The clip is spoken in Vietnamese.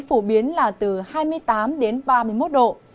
phổ biến là từ hai mươi tám đến ba mươi một độ